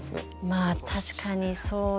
まあ確かにそうですね。